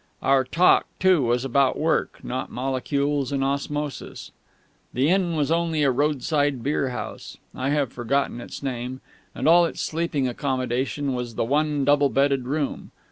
Our talk, too, was about work, not molecules and osmosis. The inn was only a roadside beerhouse I have forgotten its name and all its sleeping accomodation was the one double bedded room.